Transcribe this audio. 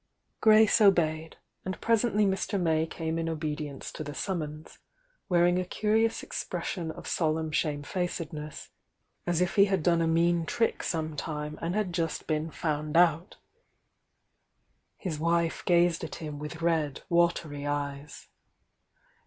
Grace obeyed, and presently Mr. May came in obedience to the summons, wearing a curious ex pression of solemn shamefacedness, as if he had done a mean trick some time and had just been found out His wife gazed at him with red, watery eyes.